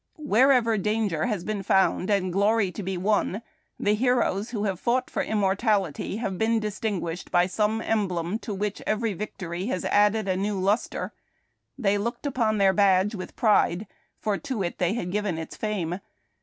Wherever danger has been found and glory to be won, the heroes who have fought for immortality have been distinguished by some emblem to which every victory added a new lustre. They looked upon their badge with pride, for to it they had given its fame.